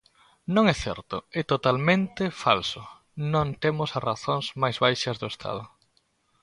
Non é certo, é totalmente falso, non temos as razóns máis baixas do Estado.